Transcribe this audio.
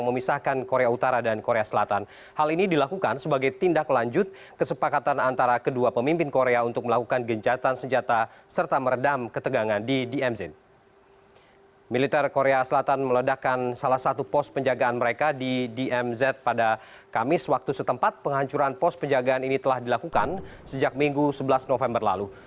militer korea selatan meledakkan salah satu pos penjagaan mereka di dmz pada kamis waktu setempat penghancuran pos penjagaan ini telah dilakukan sejak minggu sebelas november lalu